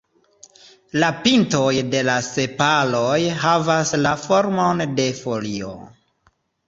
La pintoj de la sepaloj havas la formon de folio.